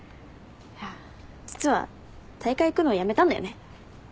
いや実は大会行くのやめたんだよね。